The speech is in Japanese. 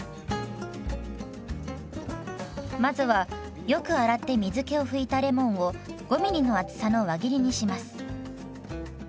まずはよく洗って水けを拭いたレモンを５ミリの厚さの輪切りにします。